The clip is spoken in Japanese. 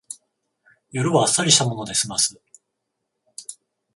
夜はあっさりしたもので済ます